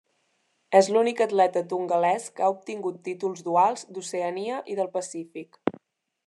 És l'únic atleta tongalès que ha obtingut títols duals d'Oceania i del Pacífic.